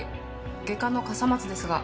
外科の笠松ですが。